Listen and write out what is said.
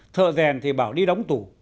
thợ rèn thì bảo đi đóng tủ